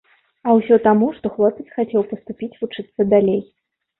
А ўсё таму, што хлопец хацеў паступіць вучыцца далей.